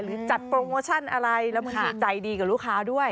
จัดโปรโมชั่นอะไรแล้วบางทีใจดีกับลูกค้าด้วย